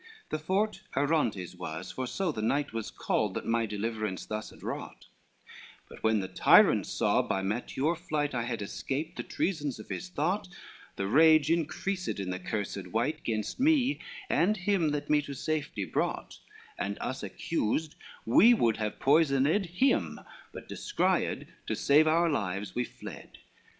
LVI "The fort Arontes was, for so the knight Was called, that my deliverance thus had wrought, But when the tyrant saw, by mature flight I had escaped the treasons of his thought, The rage increased in the cursed wight Gainst me, and him, that me to safety brought, And us accused, we would have poisoned Him, but descried, to save our lives we fled.